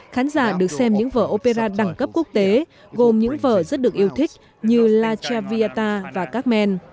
khán giả được xem những vở opera đẳng cấp quốc tế gồm những vở rất được yêu thích như la chiaviata và các men